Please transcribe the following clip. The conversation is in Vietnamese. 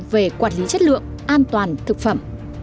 về quản lý chất lượng an toàn thực phẩm